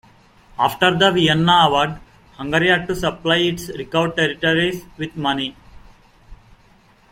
After the Vienna Award, Hungary had to supply its recovered territories with money.